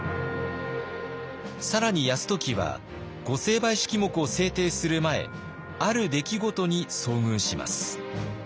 更に泰時は御成敗式目を制定する前ある出来事に遭遇します。